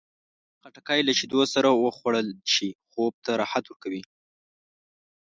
خټکی له شیدو سره وخوړل شي، خوب ته راحت ورکوي.